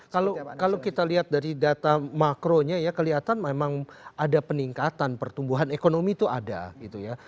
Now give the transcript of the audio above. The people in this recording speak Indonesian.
kalau kita lihat dari data makronya ya kelihatan memang ada peningkatan pertumbuhan ekonomi itu ada gitu ya